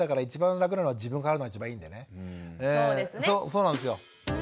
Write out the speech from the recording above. そうなんですよ。